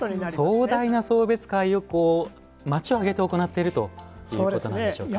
壮大な送別会を町をあげて行っているということなんですね。